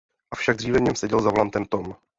Avšak dříve v něm seděl za volantem Tom.